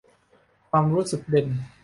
ความรู้สึกเด่น